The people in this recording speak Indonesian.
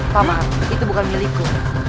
paman itu bukan milikku